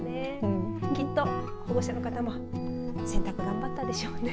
きっと保護者の方も洗濯、頑張ったでしょうね。